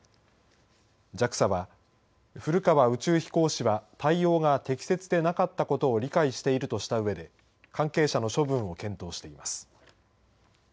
ＪＡＸＡは、古川宇宙飛行士は対応が適切でなかったことを理解しているとしたうえで関係者の処分を検討しています。